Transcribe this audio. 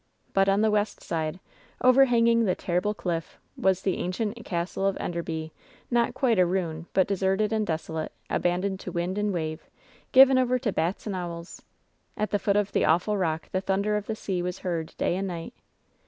But on the west side, overhanging the terrible cliff, was the ancient Castle of Enderby, not quite a ruin, but deserted and desolate, abandoned to wind and wave, given over to bats and owls. At the foot of the awful rock the thun der of the sea was heard day and night.